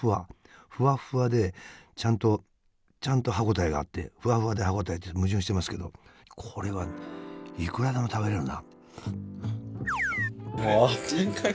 ふわふわでちゃんとちゃんと歯応えがあってふわふわで歯応えって矛盾してますけどこれはいくらでも食べれるな。